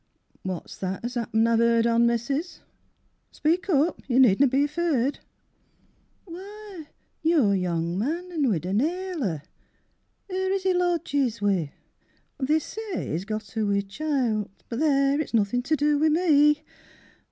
What's that as 'appen I've 'eered on, Missis, Speak up, you nedna be feared. Why, your young man an' Widow Naylor, Her as he lodges wi', They say he's got her wi' childt; but there, It's nothing to do wi' me.